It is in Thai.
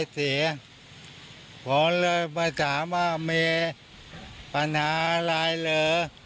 เสียผมเลยมาถามว่าเมย์ปัญหาอะไรเหรอ